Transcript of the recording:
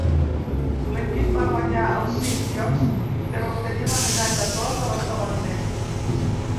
L'equip va guanyar els cinc jocs per obtenir la medalla d'or de l'esdeveniment.